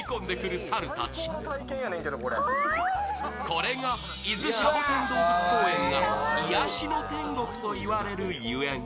これが伊豆シャボテン動物公園が癒やしの天国と言われるゆえん。